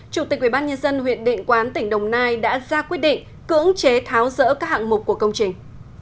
chủ tịch ubnd huyện định quán tỉnh đồng nai đã ra quyết định cưỡng chế tháo rỡ các hạng mục của công trình